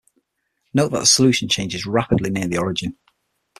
Note that the solution changes rapidly near the origin.